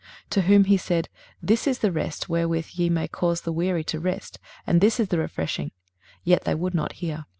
23:028:012 To whom he said, This is the rest wherewith ye may cause the weary to rest; and this is the refreshing: yet they would not hear.